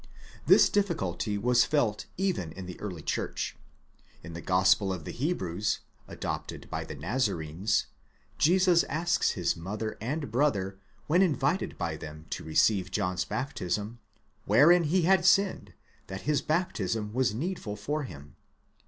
This difficulty was felt even in the early church. In the Gospel of the Hebrews, adopted by the Nazarenes, Jesus asks his mother and brother, when invited by them to receive John's baptism, wherein he had sinned, that this baptism was needful for him?